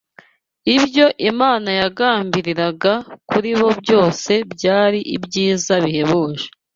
Ibyo Imana yagambiriraga kuri bo byose byari ibyiza bihebuje.